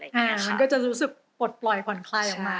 มันก็จะรู้สึกปลดปล่อยผ่อนคลายออกมา